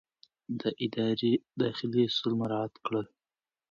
ده د ادارې داخلي اصول مراعات کړل.